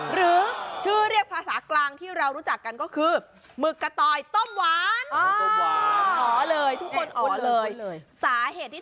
หรือชื่อเรียกภาษากลางที่เรารู้จักกันก็คือ